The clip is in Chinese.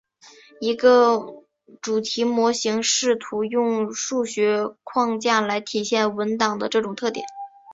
一个主题模型试图用数学框架来体现文档的这种特点。